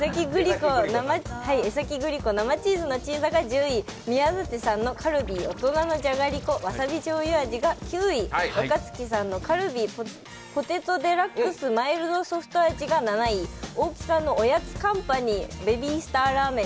江崎グリコ生チーズのチーザが１０位、宮舘さんのカルビー大人のじゃがりこわさび醤油味が９位若槻さんのカルビーポテトデラックスマイルドソルト味が７位大木さんのおやつカンパニー、ベビースターラーメン